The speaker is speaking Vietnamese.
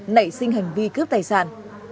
nảy sinh hành vi cướp tài sản